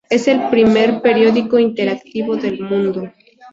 Es el primer periódico interactivo del mundo.